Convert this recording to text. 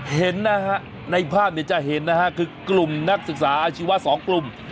เห็นนะฮะในภาพจะเห็นนะฮะคือกลุ่มนักศึกษาอาชีวะ๒กลุ่ม